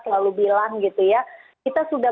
selalu bilang gitu ya kita sudah